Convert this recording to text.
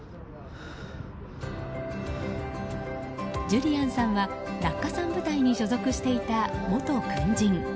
ジュリアンさんは落下傘部隊に所属していた元軍人。